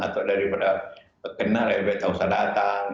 atau daripada kenal ya baik baik saja datang